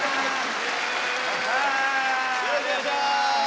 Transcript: よろしくお願いします。